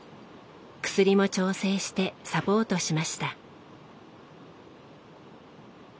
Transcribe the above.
薬も調整してサポートしました。